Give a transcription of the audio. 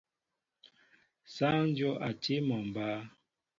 Sááŋ dyów a tí mol mba.